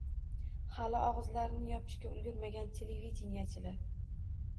Hali og‘izlarini yopishga ulgurmagan televideniyechilar